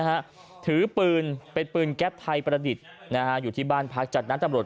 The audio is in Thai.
ฮะถือปืนเป็นปืนแก๊ปไทยประดิษฐ์นะฮะอยู่ที่บ้านพักจากนั้นตำรวจ